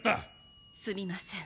すみません。